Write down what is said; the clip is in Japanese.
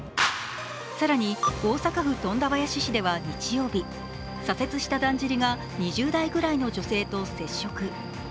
更に大阪府富田林市では日曜日、左折しただんじりが２０代ぐらいの女性と接触。